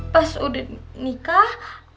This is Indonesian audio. pas udah nikah